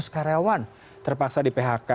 karyawan terpaksa di phk